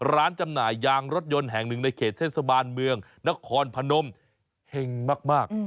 จำหน่ายยางรถยนต์แห่งหนึ่งในเขตเทศบาลเมืองนครพนมเห็งมาก